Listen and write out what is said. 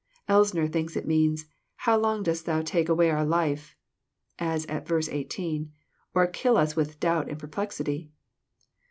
" Eisner thinks it means, " How long dost Thou take away our life, (as at verse eighteen,) or kill us with doubt and perplexity